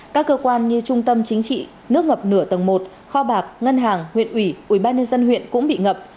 các cơ quan như trung tâm chính trị nước ngập nửa tầng một kho bạc ngân hàng huyện ủy ủy ban nhân dân huyện cũng bị ngập